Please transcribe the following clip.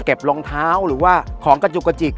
รองเท้าหรือว่าของกระจุกกระจิก